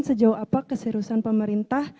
sejauh apa keserusan pemerintah